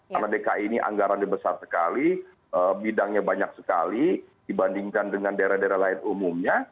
karena dki ini anggaran yang besar sekali bidangnya banyak sekali dibandingkan dengan daerah daerah lain umumnya